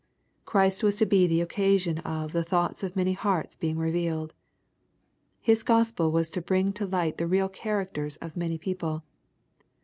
Christ was to be the occasion of '• the thoughts of many hearts being revealed." His Gospel was to bring to light the real characters of many people.